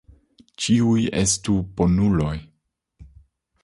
Ĉiuj estu bonuloj.